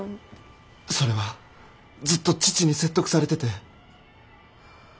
それはずっと父に説得されてて。